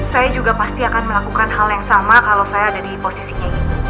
saya juga pasti akan melakukan hal yang sama kalau saya ada di posisinya